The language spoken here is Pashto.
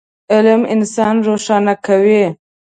علم انسان روښانه کوي.